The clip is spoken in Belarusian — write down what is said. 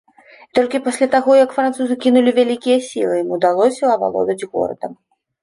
І толькі пасля таго, як французы кінулі вялікія сілы, ім удалося авалодаць горадам.